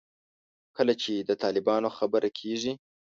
کله چې د طالبانو خبره کېږي.